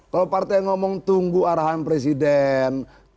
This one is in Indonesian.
kalau partai ngomong tunggu arahan presiden